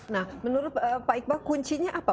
nah menurut pak iqbal kuncinya apa